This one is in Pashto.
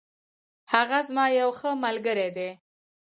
هغه زما یو ښه ملگری دی.